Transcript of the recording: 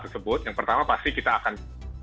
tersebut yang pertama pasti kita akan